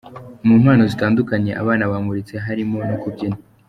Mu mpano zitandukanye abana bamuritse harimo no kubyina.